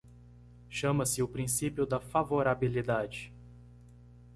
Chama-se o princípio da favorabilidade.